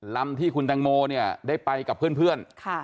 ลำที่คุณแตงโมเนี่ยได้ไปกับเพื่อน